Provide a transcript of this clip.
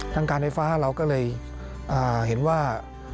ทางการไฟฟ้าเราก็เลยเห็นว่า